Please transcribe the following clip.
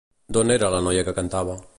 D'on era la noia que cantava?